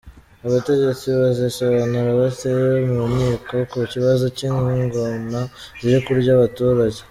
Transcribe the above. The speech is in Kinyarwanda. Abategetsi bazisobanura bate mu nkiko ku kibazo cy’ingona ziri kurya abaturage